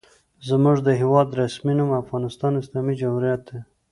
زموږ د هېواد رسمي نوم افغانستان اسلامي جمهوریت دی.